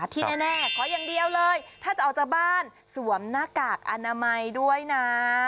ที่แน่ขออย่างเดียวเลยถ้าจะออกจากบ้านสวมหน้ากากอนามัยด้วยนะ